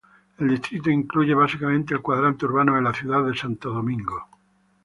El distrito incluye básicamente el cuadrante urbano de la ciudad de Santo Domingo.